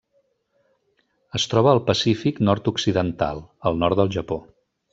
Es troba al Pacífic nord-occidental: el nord del Japó.